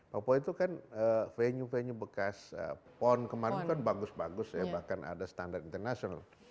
papua itu kan venue venue bekas pon kemarin kan bagus bagus ya bahkan ada standar internasional